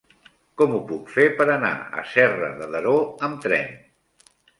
Com ho puc fer per anar a Serra de Daró amb tren?